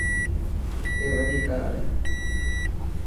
اي وڏي ڪار هي.